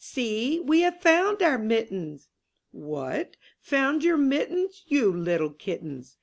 See, we have found our mittens." "What, found your mittens, You little kittens!